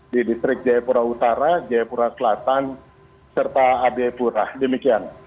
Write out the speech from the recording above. di distrik jayapura utara jayapura selatan serta abayapura demikian